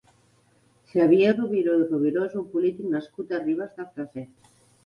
Xavier Robiró i Robiró és un polític nascut a Ribes de Freser.